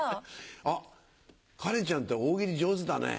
あっカレンちゃんって大喜利上手だね。